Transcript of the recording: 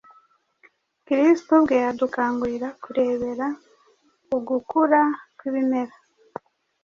Kristo ubwe adukangurira kurebera ku gukura kw’ibimera